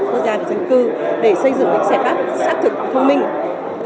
quốc gia và dân cư để xây dựng những sản pháp xác thực thông minh